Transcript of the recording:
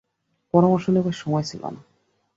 পরামর্শ নেবার সময় ছিল না।